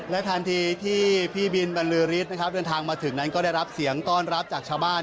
และทันทีที่พี่บินบรรลือฤทธิ์นะครับเดินทางมาถึงนั้นก็ได้รับเสียงต้อนรับจากชาวบ้าน